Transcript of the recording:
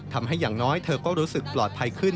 อย่างน้อยเธอก็รู้สึกปลอดภัยขึ้น